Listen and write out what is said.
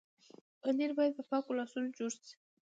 پنېر باید په پاکو لاسونو جوړ شي.